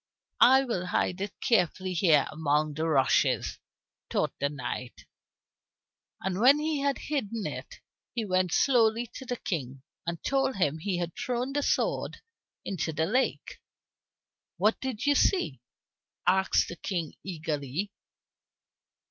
"I will hide it carefully here among the rushes," thought the knight. And when he had hidden it, he went slowly to the King and told him he had thrown the sword into the lake. "What did you see?" asked the King eagerly.